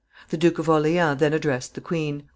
The Duke of Orleans then addressed the queen.